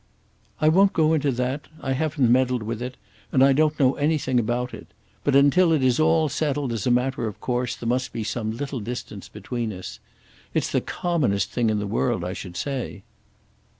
"I won't go into that. I haven't meddled with it, and I don't know anything about it. But until it is all settled as a matter of course there must be some little distance between us. It's the commonest thing in the world, I should say."